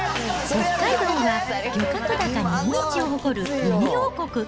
北海道は漁獲高日本一を誇るウニ王国。